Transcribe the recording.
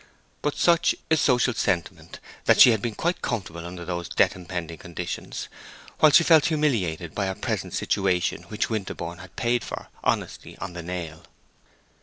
But such is social sentiment, that she had been quite comfortable under those debt impending conditions, while she felt humiliated by her present situation, which Winterborne had paid for honestly on the nail.